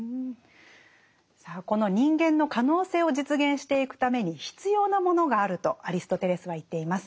さあこの人間の可能性を実現していくために必要なものがあるとアリストテレスは言っています。